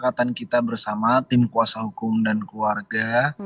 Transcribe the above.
kesepakatan kita bersama tim kuasa hukum dan keluarga